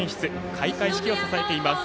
開会式を支えています。